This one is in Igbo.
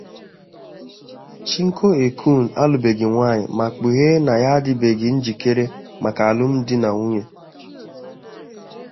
Chinko Ekun alụbeghị nwanyị ma kpughee na ya adịbeghị njikere maka alụmdi na nwunye.